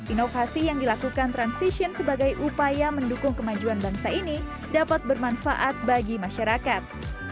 inovasi yang dilakukan transvision sebagai upaya mendukung kemajuan bangsa ini dapat bermanfaat bagi masyarakat